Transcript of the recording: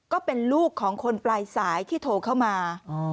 ก็เป็นลูกของคนปลายสายที่โทรเข้ามา